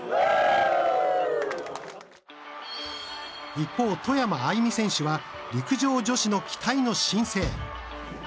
一方、外山愛美選手は陸上女子の期待の新星。